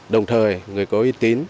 đồng thời người có uy tín